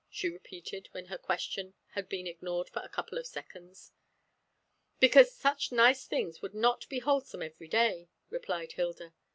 she repeated, when her question had been ignored for a couple of seconds. "Because such nice things would not be wholesome every day," replied Hilda.